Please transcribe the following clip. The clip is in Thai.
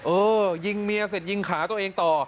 เออยิงเมียเสร็จยิงขาตัวเองต่อ